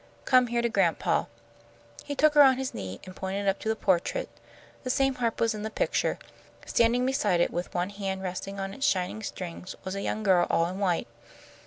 Come here to grandpa." He took her on his knee, and pointed up to the portrait. The same harp was in the picture. Standing beside it, with one hand resting on its shining strings, was a young girl all in white.